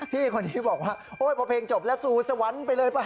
พี่คนนี้บอกว่าโอ๊ยพอเพลงจบแล้วสู่สวรรค์ไปเลยป่ะ